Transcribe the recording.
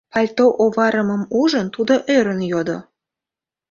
- пальто оварымым ужын, тудо ӧрын йодо.